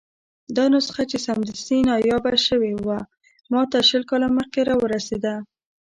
دا نسخه چې سمدستي نایابه شوې وه، ماته شل کاله مخکې راورسېده.